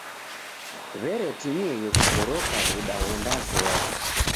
W'eretimieghe kutoroka w'uda ghondazoya.